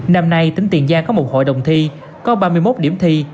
năm nay tỉnh tiền giang có một hội đồng thi có ba mươi một điểm thi